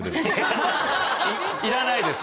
いらないです